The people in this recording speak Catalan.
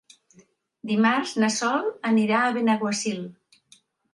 Dimarts na Sol anirà a Benaguasil.